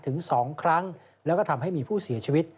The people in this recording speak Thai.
ถึง๒ครั้งแล้วก็ทำให้มีผู้เสียชีวิต